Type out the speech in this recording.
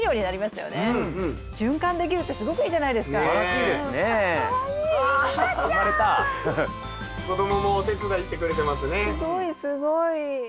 すごいすごい。